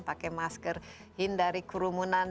pakai masker hindari kerumunan